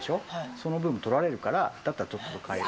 その分とられるから、だったらとっとと帰って。